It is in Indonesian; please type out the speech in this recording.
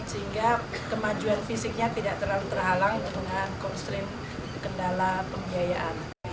sehingga kemajuan fisiknya tidak terlalu terhalang dengan konstrim kendala pembiayaan